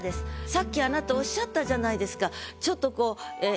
さっきあなたおっしゃったじゃないですか。